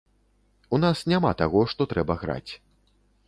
У нас няма таго, што трэба граць.